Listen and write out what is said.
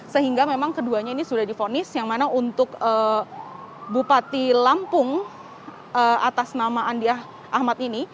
sehingga memang keduanya ini sudah difonis yang mana untuk bupati lampung atas nama andi ahmad ini